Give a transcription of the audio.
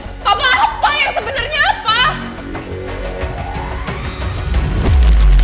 papa apa yang sebenernya apa